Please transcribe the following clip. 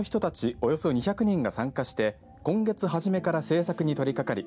およそ２００人が参加して今月初めから制作に取りかかり